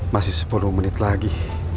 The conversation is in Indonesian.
masih sepuluh menit lagi